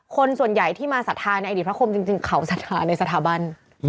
คนส่วนใหญ่ที่มาสถาในอดีตพระคมจริงเขาสถาในสถาบัน